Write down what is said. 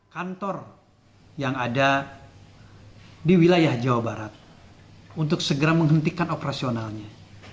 kantor yang ada di wilayah jawa barat untuk segera menghentikan operasionalnya